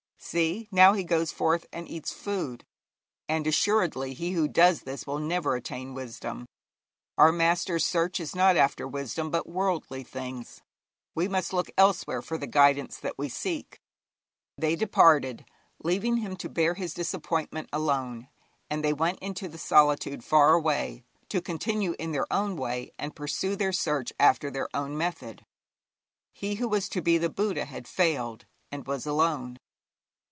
See, now, he goes forth and eats food, and assuredly he who does this will never attain wisdom. Our master's search is not after wisdom, but worldly things; we must look elsewhere for the guidance that we seek.' They departed, leaving him to bear his disappointment alone, and they went into the solitude far away, to continue in their own way and pursue their search after their own method. He who was to be the Buddha had failed, and was alone.